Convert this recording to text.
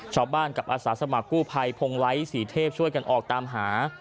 ชาวบ้านกับอาสาสมัครกู้ภัยพงไลท์ศรีเทพช่วยกันออกตามหา